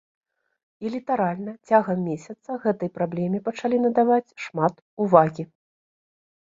І літаральна цягам месяца гэтай праблеме пачалі надаваць шмат увагі.